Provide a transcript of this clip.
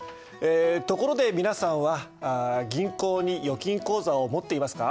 ところで皆さんは銀行に預金口座を持っていますか？